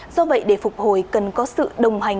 do vậy để phục hồi cần có sự đồng hành